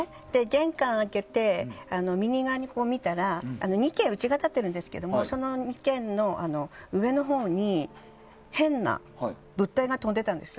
玄関開けて右側を見たら２軒家が立ってるんですけどその２軒の上のほうに変な物体が飛んでたんです。